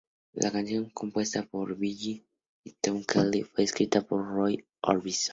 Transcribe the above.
La canción, compuesta por Billy Steinberg y Tom Kelly, fue escrita para Roy Orbison.